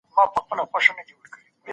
پېزوان وړي په پېغور کي